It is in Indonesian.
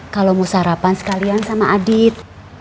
kalau mau sarapan sekalian sama adit